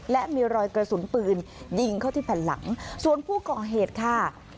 และมีรอยกระสุนปืนยิงเข้าที่แผ่นหลังส่วนผู้ก่อเหตุค่ะ